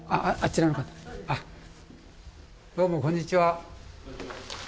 どうもこんにちは。